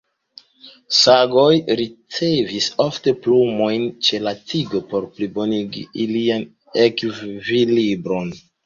Sagoj ricevis ofte plumojn ĉe la tigo por plibonigi ilian ekvilibron.